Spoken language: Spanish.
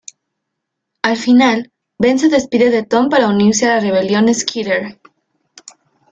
Al final, Ben se despide de Tom para unirse a la rebelión "Skitter".